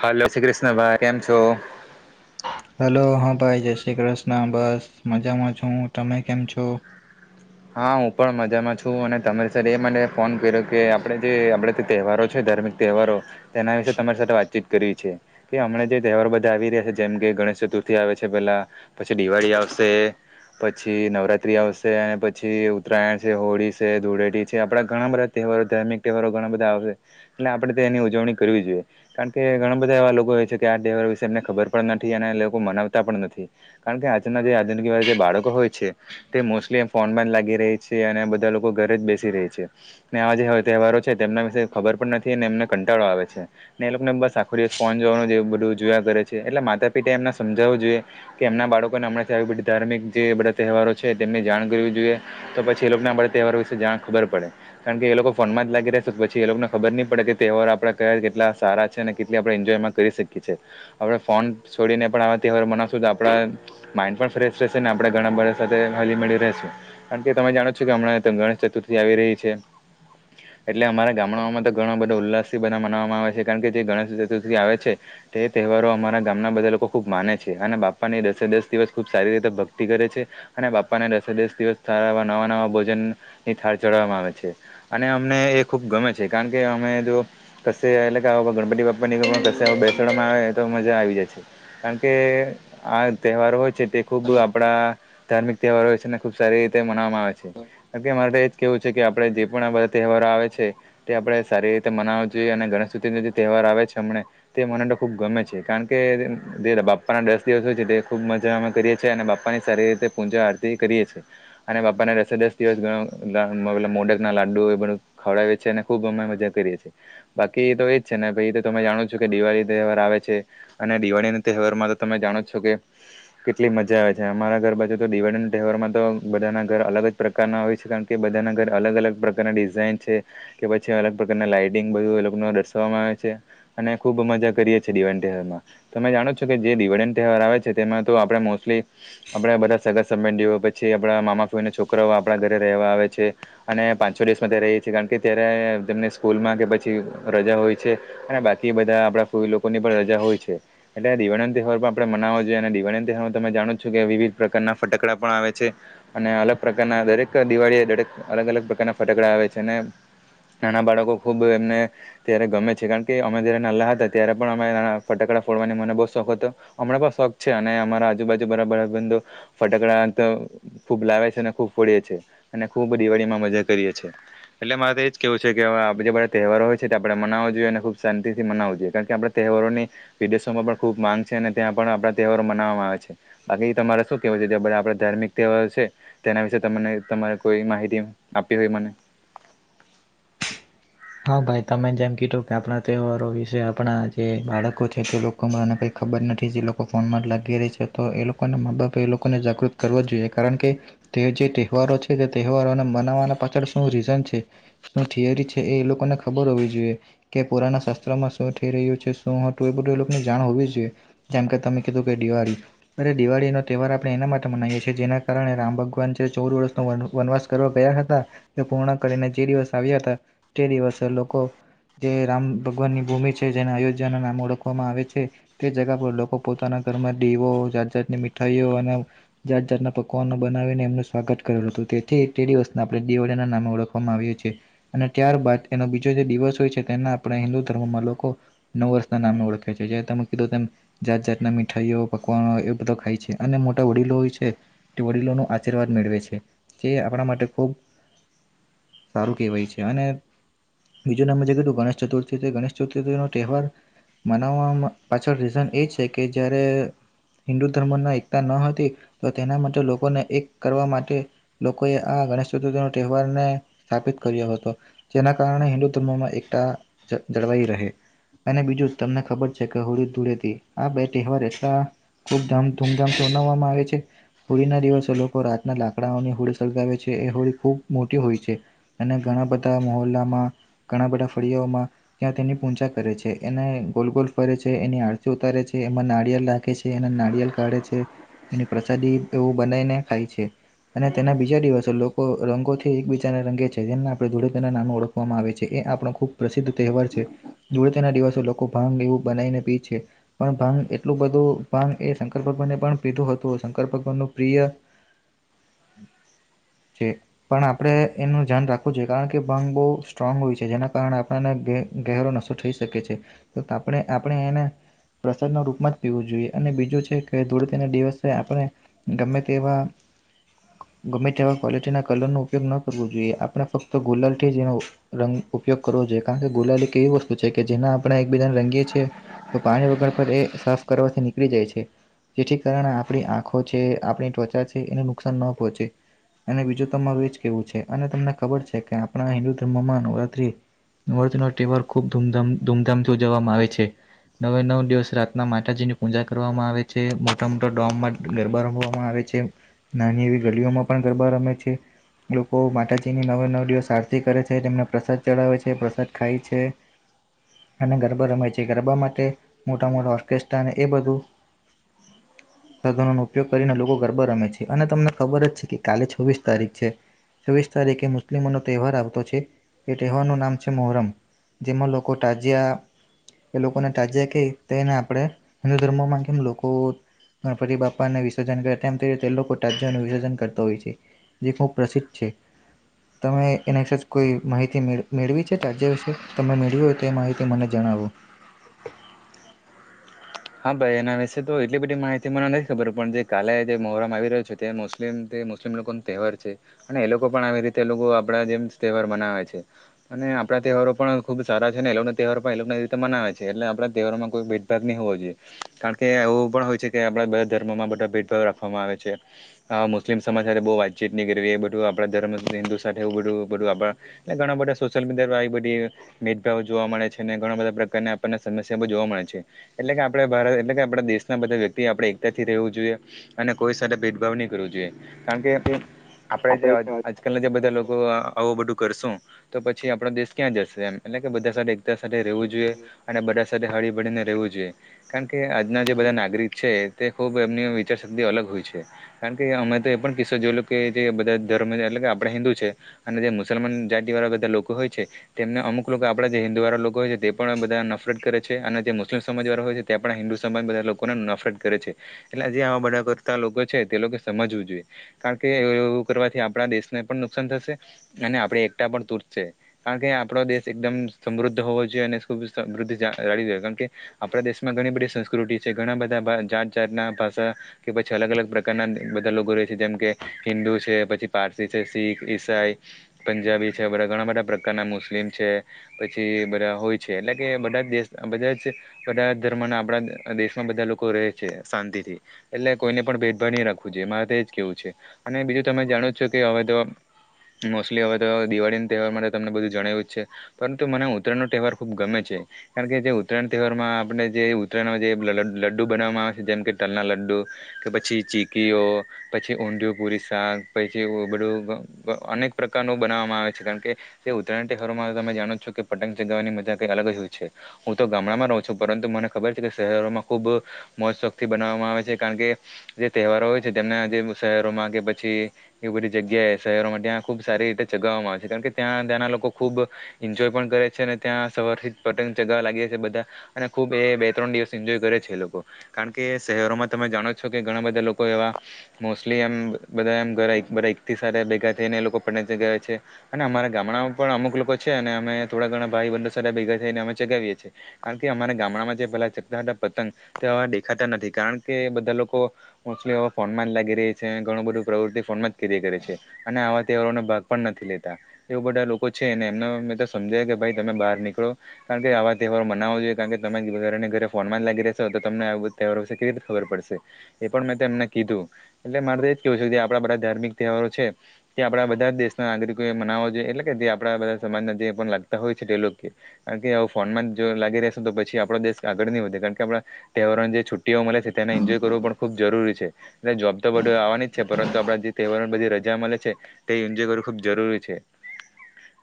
Hello Shri Krishnabhai કેમ છો? Hello હા ભાઈ જય શ્રી કૃષ્ણ બસ મજામાં છું, તમે કેમ છો? હા હું પણ મજામાં છું, અને તમારે સર એ મને ફોન કર્યો કે આપડે જે આપડે તે તહેવારો છે. ધાર્મિક તહેવારો તેના વિશે તમારી સાથે વાતચીત કરીવી છે, કે અમને જે તહેવાર બધા આવી રહ્યા છે, જેમ કે ગ ગણેશ ચતુર્થી આવે છે, પેલા પછી દિવાળી આવશે પછી નવરાત્રી આવશે અને પ છી ઉત્તરાયણ છે, હોળી છે, ધૂળેટી છે આપડા ઘણા બધા તહેવારો ધાર્મિક તહેવારો ઘણા બધા આવશે એટલે આપણેે એની ઉજવણી કરવી જોઈએ કારણ કે ઘણા બધા એવા લોકો હોય છે, કે આ તહેવાર વિશે એમને ખબર પણ નથી અને લોકો મનાવતા પણ નથી કારણ કે આજ જે આ બાળકો હોય છે, તે મોસ્ટલી ફોન માજ લાગી રહી છે, અને બધા લોકો ઘરે જ બેસી રહી છે, ને આવા જે તહેવારો છે, તેમના વિશે ખબર નથી એમને કંટાળો આવે છે, ને એ લોકોને બસ આખો દિવસ ફોન જોવાનું બધું જોયા કરે છે, એટલે માતા પહી એમને સમજાવું જોઈએ કે એમના બાળકોને હમણાં આવી બધી ધાર્મિક જે બધા તહેવારો છે, તેમને જાણ કરવી જોઈએ તો પછી એ લોકોને આપડે તહેવારો વિશે જ્યા ખબર પડે કારણ કે એ લોકો ફોનમાં જ લાગી રહેશે તો પછી એ લોકોન ખબર નહી પડે કે તહેવાર આપે કયા કેટલા સારા છે, અને કેટલી આપણે એન્જોયમાં કરી શકીએ છીએ આપણે ફોન છોડીને પણ આવા તહેવાર મનાવ સુ તો આપણા માઈન્ડ પણ ફ્રેશ રહેશે ને આપણે ઘણા બધા સાથે હલી મળી રહે શે કારણ કે તમે જાણો છો કે હમણાં ગણેશ ચતુર્થી આવી રહી છે. એટલે અમારા ગામડાઓમાં તો ઘણો બધો ઉલ્લાસથી બધા મવામાં આવે છે, કારણ કે જે ગણેશ ચતુર્થી આવે છે. તે તહેવારો અમારા ગામના બધા લોકો ખુબ માને છે, અને બાપા ની દસે દસ દિવસ ખુબ સારી રીતે ભક્તિ કરે છે. અને બાપા ને દસ દિવસ સારા આવા નવા નવા ભોજન ની થાર ચડવામાં આવે છે, અને અમને એ ખુબ ગમે છે. કારણ કે અમે જો કશે એટલે ગણપતિ બાપ [unintelligible] બેસડમાં આવે તો મજા આવી જાય છે, કારણ કે આ તહેવાર હોય છે. તે ખુબ આપડા ધાર્મિક તહેવારો હોય છે, ને ખુબ સારી રીતે મનાવામાં આવે છે. કારણ કે મારે એજ કેવું છે, કે આપડે જે પણ આ બધા તહેવારો આવે છે, તે આપડે સારી રીતે મનાવ જોઈએ અને ગણેશ શું તેને જે તહેવાર આવે છે હમણે તે મને તો ખૂબ ગમે છે કારણ કે જે બાપ્પાના દસ દિવસ હોય છે તે ખૂબ મજા અમે કરીએ છે અને બાપ્પાની સારી તે પૂજા આરતી કરીએ છે. અને બાપ્પાને દસે દસ દિવસ ઘણુ મતલબ મોડક ના લાડુ એ બધું ખવડાવે છે ને ખુબ અમે મજા કરીએ છે, બાકી તો એજ છે ને પહી તમે જાણો છો કે દિવાળી તહેવાર આવે છે, અને દિવા ળીના તહેવારમાં તો તમે જાણો છો કે કેટલી મજા આવે છે અમારા ઘર બાજુ તો દિવાળીના તહેવારમાં તો બધાના ઘર અલગ જ પ્રકારના હોય છે કારણ કે બધાના ઘર અલગ અલગ પ્રકારના ડિઝાઇન છે, કે પછી અલગ પ્રકારના લાઈટીંગ બધું એ લોકોનુ દર્શવામાં આવે છે અને ખુબ મજા કરીએે છે, દિવાળીના તહેવારમાં તમે જાણો છો કે જે દિવાળીને તહેવાર આવે છે તેમાં તો આપણે મોસ્ટલી આપણા બધા સગા સંબંધીઓ પ છી આપણા મામા ફુઈના છોકરાઓ આપણા ઘરે રહેવા આવે છે અને પાંચ છો દિવસમાં ત્યા રેય છે, કારણ કે ત્યારે અને તેમની સ્કૂલમાં કે પછી રજા હોય છે અને બાકી બધા આપણા ફુઈ લોકોની પણ રજા હોય છે. એટલે દિવાળીના તહેવાર પણ આપણે મનાવો જોઈએ અને દિવાળીના તહેવારમાં તમે જાણો છો કે વિવિધ પ્રકારના ફટકડા પણ આવે છે, અને અલગ પ્રકારના દરેક દિવાળી દરેક અલગ અલગ પ્રકારના ફટાકડા આવે છે, અને નાના બાળકો ખુબ એમને ત્યારે ગમે છે કારણ કે અમે ત્યારે નાલા હતા ત્યારે પણ અમે નાના ફટાક શા ફોડવાની મને બો શોખ હતો હમણાં પણ શોખ છે અને અમારા આજુબાજુ બધા બધા બંધો ફટાકડા તો ખૂબ લાવે છે, અને ખૂબ ફોડીએ છે, અને ખૂબ દિવાળીમાં મજા કરીએ છે. એટલે મારે તો એજ કેવું છે કે અવે આજે તહેવારો હોય છે, આપણે મનાવો જોઈએ અને ખુબ શાંતિથી મનાવો જોઈએ કારણ કે આપણે તે હેવારોની વિદેશોમાં પણ ખુબ માંગ છે, અને ત્યાં પણ આપણા તહેવારો મનાવામાં આવે છે. બાકી તમારે શું કેવું છે જો બધા આપડે ધાર્મિક તહેવારો છે તેના વિશે તમને તમારે કોઈ માહિતી આપવી હોય મને હા ભાઈ તમે જેમ કીધું કે આપણા તહેવારો વિશે આપણા જે બાળકો છે, તે લોકોમાં ને કઈક ખબર નથી જે લોકો ફોનમાં જ લાગી રેય છે તો એ લોકોના મા બાપે એ લોકોને જાગૃત કરવો જોઈએ કારણ કે તે જે તહેવારો છે, તે તહેવારોને મનાવવાના પાછળ શું રીઝન છે, શું થિયરી છે. એ લોકોને ખબર હોવી જોઈએ કે પુરાના શાસ્ત્રોમાં શું થઈ રહ્યું છે શું હતું એ બધું એ લોકોને જાણ હો વી જોઈએ જેમ કે તમે કીધું કે દિવાળી અરે દિવાળીનો તહેવાર આપણે એના માટે મનાવીએ છીએ જેના કારણે રામ ભગવાન જે ચૌદ વર્ષનો વન વનવાસ કરવા ગયા હતા તે પૂર્ણ કરીને જે દિવસ આવ્યા હતા તે દિવસે લોકો જે રામ ભગવાનની ભૂમિ છે, જેને અયોધ્યાના નામ ઓળખવામાં આવે છે, તે જગા પર લોકો પોતાના ઘરમાં દીવો જાત જાતની મીઠાઈઓ અને જાત જાતના પકવાનો બનાવીને એમનું સ્વાગત કરેલું હતું તેથી તે દિવસ આપણે દિવાળીના નામે ઓળખવામાં આવ્યા છે, અને ત્યારબાદ એનો બીજો જે દિવસ હોય છે, તેના આપણે હિન્દુ ધર્મમાં લોકો નવ વર્ષના નામે ઓળખે છે, જે તમે કીધું તેમ જાત જાતના મીઠાઈઓ પકવાનો એવું બધું ખાય છે, અને મોટા વડીલો હોય છે. વડીલોનો આશીર્વાદ મેળવે છે જે આપણા માટે ખૂબ સારું કહેવાય છે. અને નીચે તમે જે કીધું ગણેશ ચતુર્થી તે ગણેશ ચતુર્થીનો તહેવાર મનાવવામાં પાછળ રીઝન એ છે કે જયારે હિન્દુ ધર્મમાં એકતા ન હતી તો તેના માટે લોકોને એક કરવા માટે લોકોએ આ ગણેશ ચતુર્થીનો તહેવાર ને સ્થાપિત કર્યો હ તો જેના કારણે હિન્દુ ધર્મોમાં એકતા જ જળવાઈ રહે અને બીજું તમને ખબર છે કે હોળી ધૂળેટી આ બે તહેવાર એટલા ખૂબ ધામ ધૂમધામથી બનાવવામાં આવે છે, હોળીના દિવસે લોકો રાતના લાકડાઓની હોળી સળગાવે છે, એ હોળી ખૂબ મોટી હોય છે, અને ઘણા બધા મહોલ્લામાં ઘણા બધા ફળિયામાં ત્યાં તેની પૂજા કરે છે, એને ગોલગોલ ફરે છે, એની આરતી ઉતારે છે, એમાં નારિયેલ રાખે છે, એના નારિયેલ કાઢે છે, એની પ્રસાદી એવું બનાઈને ખાય છે, અને તેના બીજા દિવસે લોકો રંગોથી એક બીજાને રંગે છે, જેમના આપણે ધૂળેટી તેના નામે ઓળખવામાં આવે છે, એ આપણો ખૂબ પ્રસિદ્ધ તહેવાર છે, ધૂળેટી તેના દિવસ તે લોકો ભાંગ એવું બનાવીને પી છે પણ ભાંગ એટલું બધું ભાંગ એ શંકર ભગવાને પણ પીધું હ તુ શંકર ભગવાનનું પ્રિય [inaudible] છે પણ આપડે એનું ધ્યાન રાખ આપ જો કારણ કે ભંગ બહુ સ્ટ્રોંગ હોય છે જેના કારણે આપણને ગહેરો નશો થઈ શકે છે આપણે આપણે એને પ્રસાદના રૂપમાં જ પીવું જોઈએ અને બીજું છે કે ધૂળ તેના દિવસે આપણે ગમે તેવા [inaudible] ગમે તેવા ક્વોલિટીના કલરનો ઉપયોગ ન કરવો જોઈએ આપણે ફક્ત ગુલાલ થી એનો રંગ ઉપયોગ કરવોઈએ કારણ કે ગુલાલ એક એવી વસ્તુ છે કે જેના આપણે એકબીજ રંગ તો પાણી વગર પર એ સાફ કરવાથી નીકળી જાય છે જેથી કારણે આપણી આંખો છે આપણી ત્વચા છે એને નુકસાન ન પહોંચે અને બીજું તમારજ કેવું છે અને તમને ખબર છે કે આપણા હિન્દુ ધર્મમાં નવરાત્રી નરતી ન તહેવાર ખુબ ધ ધૂમધામથી ઉજવવામાં આવે છે નવે નવ દિવસ રાતના માતાજી ની પૂજા કરવામાં આવે છે મોટા મોટા ડોમમાં ગરબા રમવામાં આવે છે નાની એવી ગલીઓમાં પણ ગરબા રમે છે લોકો માતાજીની નવે નવી સારથી કરે છે તેમને પ્રસાદ ચડાવે છે પ્રસાદ ખાય છે અને ગરબા રમા છે ગરબા માટે મોટા મોટા ઓર્કેસ્ટ્રા અને એ બધું સાધનો નો ઉપયોગ કરીને લોકો ગરબા રમે છે અને તમને ખબર જ છે કે કાલે છવ્વીસ તારીખ છે છવ્વીસ તારીખ મુસ્ આપ મનો તહેવાર આવતો છે એ તહેવારનું નામ છે મોહરમ જેમાં લોકો તાજિયા એ લોકોને તાજિયા કે તેને આપણે હિન્દુ ધર્મોમાં કેમ લોકો ગણપતિ બાપાને વિસર્જન કરે તેમ તે લોકો રાજા નનું વિસર્જન કરતા હોય છે જે ખૂબ પ્રસિદ્ધ છે હ તમે એના અશે જ કોઈ માહિતી મે મેળવી છે ચ રાજ્ય વિશે તમે મેળવી હોય તો માહિતી મને જણાવો હ હા ભાઈ એના વિશે તો એટલી બધી માહિતી મને નથી ખબર પણ જે કાલે જે મોહરામ આવી રહ્યો છે તે મુસ્લિમ મુસ્લિમ લોકો ન તહેવાર છે અને એ લોકો પણ આવી રીતે એ લોકો આપડા જેમ તહેવાર મનાવે છે અને આપણા તહેવારો પણ ખુબ સારા છે ને એ લોકોનો તહેવાર પણ એ લોકોને એ રીતે મનાવે છે એટ આપણા તહેવારો માંઈ ભેદભાગ નહીં હોો જોઈએ કારણ કે એવું પણ હોય છે કે આપે બા ધર્મોમાં બધા ભેદભાવ રાખવામાં આવે છે મુસ્લિમ સ સાથે બુ વાતચીત ન કરવી એ બધું આપણા ધર્મ હિન્દુ સાથે એવું બધું બધું આપ ઘણા બાોશિયલ મીડિયા દભાવ જોવા મળે છે ને ઘણા બધા પ્રકારને સમસ્યા જોવા મળે છે એટલે કે આપણે ભારત એટલે કે આપણા દેશના બધા વ્યક્તિ આપણે એકતાથી રહેવું જોઈએ અને કોઈ સાથે ભેદભાવ નહીં કરવું જોઈએ કારણ કે આપણે જે આજકાલના જે બધા લોકો આવું બધું કરશું તો પછી આપણા દેશ ક્યાં જશે એમ એટલે કે બધા સાથે એકતા સાથે રહેવું જોઈએ અને આપડા સાથે હળી ભળ ને રહેવું જોઈએ કારણ કે આજના જે બધા નાગરિક છે તે ખુબ એમની વિચાર શક્તિ અલગ હોય છે કારણ કે અ તો એ પણ કિસ્સો જોયે કે જે બધા ધર્મ છે એટલે કે આપે હિન્દુ છે અને જે મુસલમાન જાતિ વાળા બધા લોકો હોય છે તેમને અમુક લોકો આપડા જે હિન્દુ વાળા લોકો હોય છે તે પણ બધા નફરત કરે છે અને જે મુસ્લિમ સમાજ વાળા હોય છે ત્યાં પણ હિન્દુ સંબંધ બધા લોકોને નફરત કરે છે એટલે જે આવા બધા કરતા લોકો છે તે લોકો સમજવું જોઈએ કારણ કે એવું કરવાથી આપણા દેશને પણ નુકસાન થશે અને આપણે એકતાા પણ તૂટશે કારણ કે આપણો દેશ એકદમ સમૃદ્ધ હોવો જોઈએ અને ખુબ સમૃદ્ધ જાળવી જોઈએ કારણ કે આપણા દેશ માં ઘણી બધી સંસ્કૃતિ છે ઘણા બધા બાર જાત જાત ના ભાષા કે પછી અલગ અલગ પ્રકારના બધા લોકો જેમ કે હિન્દુ છે પછી પારસી છે શીખ ઈસાઈ પંજાબી છે બધા ઘણા બધા પ્રકાર અને મુસ્લિમ છે પછી બધા હોય છે એટલેકે એયા બધા જ દેશ બધા જ બધ ધર્મ અને આપણા દેશમાં બધા લોકો રહે છે શાંતિ થી એટલે કોઈને પણ ભેદભાવ નહીં રાખવું જો મારે તો એજ કેવું છે અને બીજું તમે જાણો છો કે હવે તો મોસ્ટલી હવે તો દિવાળી ના તહેવાર માટે તમને બધું જણાવ્યું જ છે પરંતુ મને ઉત્તરાયણનો તહેવાર ખુબ ગમે છે કારણ કે જે ઉત્તરાયણ તહેવાર માં આપણે ને જે ઉતરાયણ જે લડ્ડુ બનાવવામાં આવે છે જેમ કે તલના લડ્ડુ કે પછી ચીકીઓ પછી ઊંધયુ પુરી શાક પછી એવું બધુ અનેક પ્રકારનું બનાવવામાં આવે છે કારણ કે ઉત્તરાય તહેવારો રતમે જાણો છો કે પતંગ જગાવવાની મજા કઈ અલગ જ હોય છે હું તો ગામડામાં રહ છું પરંતુ મને ખબર છે કે શહેરોમાં ખુબ મોજ શોકથી બનાવવામાં આવે છે કારણ કે જે તહેવારો હોય છે તેમના જે શહેરોમાં કે પછી એ બધી જગ્યાએ શહેરોમાં ત્યાં ખુબ સારી રીતે ચગાવવામાં આવે છે કારણ કે ત્યાં ત્યાંના લોકો ખૂબ એન્જોય પણ કરે છે, અને ત્યાં સવારથી પતંગ ચગાવા લાગી છે, બધા અને ખૂબ બે બે ત્રણ દિવસ એન્જોય કરે છે, એ લોકો કારણ કે શહેરોમાં તમે જાણો છો, કે ઘણા બધા લોકો એવા મોસ્ટલી એમ બધા એમ ઘરા બધા એક થી મોસ્ટલી એમ બધા એમ કરાઈ બધા, એકથી સાથે ભેગા થઈને, એ લોકો [unintelligible] જયા છે, અને મારાં અમારા ગામમાં આમપણ પણ અમુક લોકો છે, અને અમે થોડા ઘણા ભાઈ બંધો સાથે ભેગા થઈને, અમે ચગાવીએીએ કારણ કે અમારે. ગામડામા જે પહેલા ચગતા હતા, પતંગ તે હવે દેખાતા નથી. કારણ કે બધા લોકો મોસ્ટલી હાવે ફોનમા લાગી રહી છે, ધણું બધું પ્રવૃતિ ફોનમાં જ કીધી કરે છે, અને આવા તહેવારો ભાગ પણ નથી લેતા વડા લોકો છે, એમને મેંતે સમજે કેભાઈ તમે બહાર નીકળો કારણ, કે આવા તહેવારો મનાવો જોઈએ, કારણ કે તમેને એની વધારા ઘરે ફોનમા જ લાગી રહેશો. તો તમને આ તહેવા, વિશે કેવી રીતે ખબર પડશે એ પણ મેં ત તેમને કીધું એટલે મારે તો એજ કેવું છે, કે આપડા બધા ધાર્મિક તહેવારો છે, કે આપડા બધા જ દેશના નાગરિકો એ મનાવ જોઈ એટલે કે જે, આપડા બધા સમાજના જે પણ લાગતા હોય છે, તે લોકો કારણ કેું ફોન જ, જો લાગી રહેશે. તો પ છી, આપો દેશ આગળ નહી, વધે કારણ કે આપ તહેવારોને જે છુટ્ટીઓ મળે છે, તેને એન્જોય કરવો પણ ખુબ જરૂરી છે. જોબ તો બધ આવવાની જ છે, પરંતુ આપણા જે તહેવારોને બધી રજા મળે છે, તે એન્જોય કરવું ખૂબ જરૂરી છે.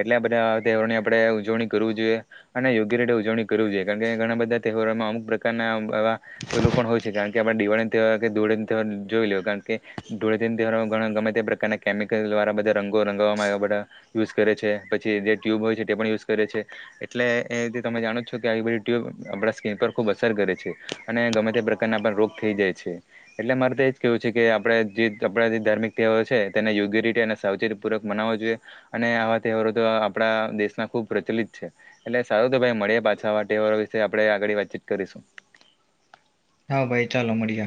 એટલે બધા તહેવારની આપડે ઉજવણી કરવુ જોઈએ, અને યોગ્ય રીતે ઉજવણી કરવી જોઈએ. કારણ કે ઘણા બધા તહેવારોમાં અમુક પ્રકારનાવા પેલું પણ હોય છે, કારણ કે આપણે દિવાળી તહેવાકેધોળી, ના તહેવા જોઈ લ કારણ, કે ધુળેટીના તહેવારમાં ગમે તે પ્રકારના કેમિકલ વાળા બધા રંગો રંગાવવામાં આવ્યા બધા. યુઝ કરે છે, પછીએ જે ટ્યુબ હોય છે, તે પણ યુઝ કરે છે, એટલે એથી તમે જાણો છો, કે આવી બધી ટ્યુબ આપણા સ્કીિન પર ખુબ અસર કરે છે, અને ગમે તે પ્રકારના પર રોગ થઈ, જાય છે, એટલે મારે તો એજ કેવું છે, કે આપ જે આપણા જે ધાર્મિક તહેવા છે, તેને યોગ્ય રીતે અને સાવચેતી પૂર્વક મનાવો જોઈએ અને આવા તહેવારો તો આપણા દેશમાં ખુબ પ્રચલિત છે, એટલે સારું તો ભાઈ મળે પાછા આવા તહેવારો વિશે, આપણે આગળ વાતચીત કરીશું. હા, ભાઈ ચાલો મળીએ